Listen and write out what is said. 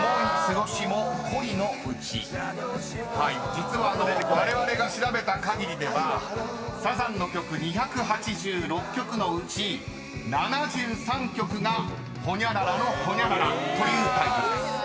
［実はわれわれが調べたかぎりではサザンの曲２８６曲のうち７３曲が「ホニャララのホニャララ」というタイトルです］